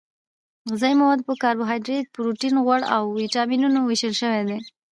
غذايي مواد په کاربوهایدریت پروټین غوړ او ویټامینونو ویشل شوي دي